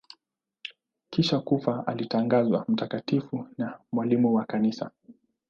Kisha kufa alitangazwa mtakatifu na mwalimu wa Kanisa.